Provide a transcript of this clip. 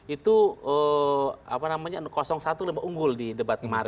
itu satu lebih unggul di debat kemarin